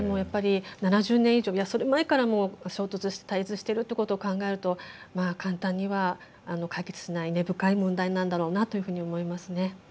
７０年以上、その前からも対立してるということを考えると簡単には解決しない根深い問題なんだろうなと思いますね。